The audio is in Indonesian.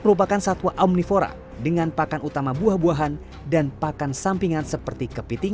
merupakan satwa amnifora dengan pakan utama buah buahan dan pakan sampingan seperti kepiting